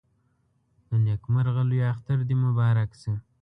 د نيکمرغه لوی اختر دې مبارک شه